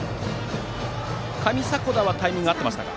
上迫田はタイミングが合っていましたか。